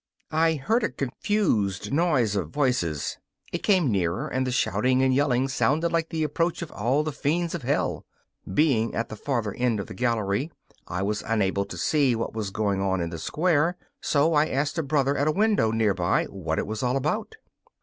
I heard a confused noise of voices. It came nearer, and the shouting and yelling sounded like the approach of all the fiends of Hell. Being at the farther end of the gallery I was unable to see what was going on in the square, so I asked a brother at a window near by what it was all about.